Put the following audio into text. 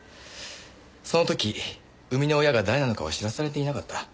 その時産みの親が誰なのかは知らされていなかった。